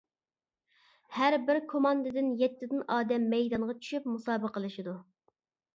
ھەربىر كوماندىدىن يەتتىدىن ئادەم مەيدانغا چۈشۈپ مۇسابىقىلىشىدۇ.